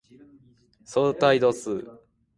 相対度数